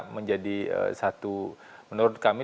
menjadi satu menurut kami